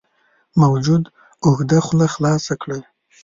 موجود اوږده خوله خلاصه وه.